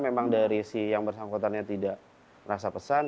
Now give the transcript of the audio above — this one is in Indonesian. memang dari si yang bersangkutannya tidak merasa pesan